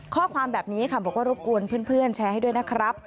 ข้อความแบบนี้ค่ะบอกว่ารบกวนเพื่อนแชร์ให้ด้วยนะครับ